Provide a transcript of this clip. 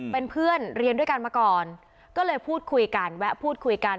เป็นเพื่อนเรียนด้วยกันมาก่อนก็เลยพูดคุยกันแวะพูดคุยกัน